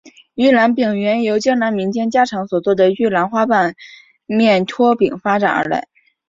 玉兰饼原由江南民间家常所做的玉兰花瓣面拖饼发展而来。